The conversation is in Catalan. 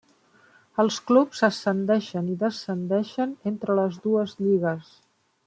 Els clubs ascendeixen i descendeixen entre les dues lligues.